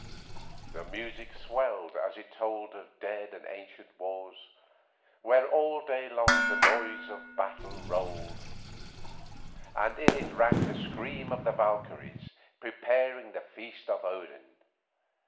The music swelled, it told of dead and ancient wars, "where all day long the noise of battle rolled"; it rose shrill and high, and in it rang the scream of the Valkyries preparing the feast of Odin.